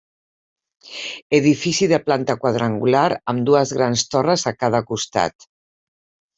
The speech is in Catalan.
Edifici de planta quadrangular amb dues grans torres a cada costat.